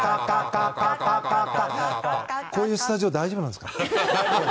こういうスタジオ大丈夫なんですか？